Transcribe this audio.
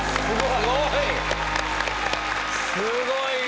すごい！